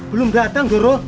belum datang doro